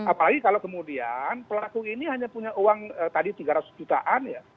apalagi kalau kemudian pelaku ini hanya punya uang tadi tiga ratus jutaan ya